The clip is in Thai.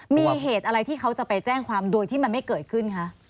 มีเหตุอะไรที่เขาจะไปแจ้งความโดยที่มันไม่เกิดขึ้นคะ